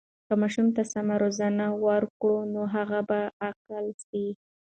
که ماشوم ته سمه روزنه وکړو، نو هغه به عاقل سي.